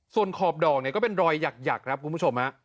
ส่วนขอบดอกเนี่ยก็เป็นรอยหยักครับคุณผู้ชมฮะ